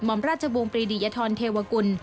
มรปรีดิยทรเทวกล